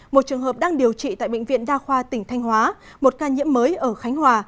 một trường hợp đang điều trị tại bệnh viện đa khoa tỉnh thanh hóa một ca nhiễm mới ở khánh hòa